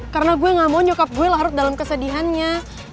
karena gue gak mau nyokap gue larut dalam kesedihannya